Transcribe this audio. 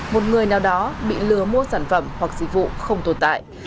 một người nào đó bị lừa mua sản phẩm hoặc dịch vụ không tồn tại